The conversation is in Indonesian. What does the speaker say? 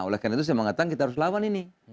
oleh karena itu saya mengatakan kita harus lawan ini